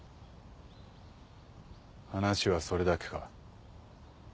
話はそれだけか？